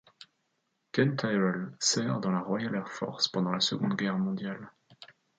Ken Tyrrell sert dans la Royal Air Force pendant le Seconde Guerre mondiale.